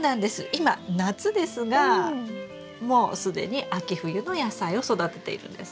今夏ですがもう既に秋冬の野菜を育てているんです。